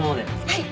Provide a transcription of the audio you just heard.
はい。